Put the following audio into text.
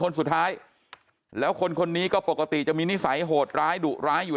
คนสุดท้ายแล้วคนคนนี้ก็ปกติจะมีนิสัยโหดร้ายดุร้ายอยู่